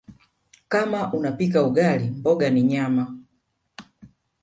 Kama unapika ugali mboga ni nyama